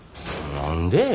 何で？